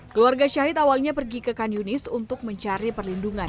keluarga syahid awalnya pergi ke kan yunis untuk mencari perlindungan